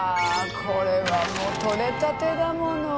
これはもう採れたてだもの。